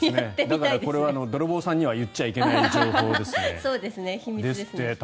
これは泥棒さんには言っちゃいけない情報ですね。